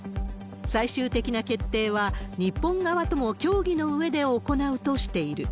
最終的な決定は、日本側とも協議のうえで行うとしている。